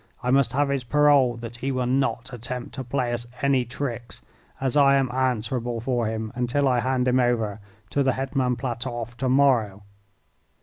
I must have his parole that he will not attempt to play us any tricks, as I am answerable for him until I hand him over to the Hetman Platoff to morrow."